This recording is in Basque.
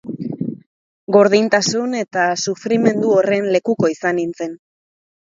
Gordintasun eta sufrimendu horren lekuko izan nintzen.